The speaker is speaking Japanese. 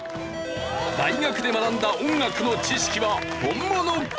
大学で学んだ音楽の知識は本物か？